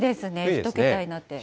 １桁になって。